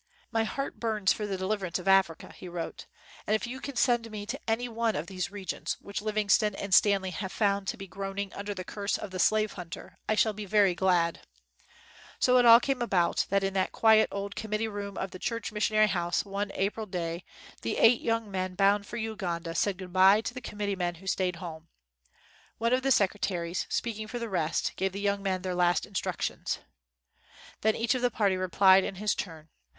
"My heart burns for the deliverance of Africa," he wrote, "and if you can send me to any one of these regions which Living stone and Stanley have found to be groan ing under the curse of the slave hunter I shall be very glad!" So it all came about that in the quiet, old committee room of the Church Missionary 29 WHITE MAN OF WORK House one April day the eight young men bound for Uganda said good by to the com mitteemen who stayed at home. One of the secretaries, speaking for the rest, gave the young men their last instructions. Then each of the party replied in his turn.